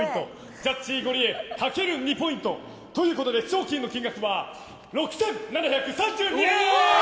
ジャッジ、ゴリエかける２ポイントということで賞金の金額は６７３２円。